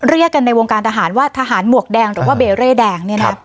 เรียกกันในวงการทหารว่าทหารหมวกแดงหรือว่าเบเร่แดงเนี่ยนะ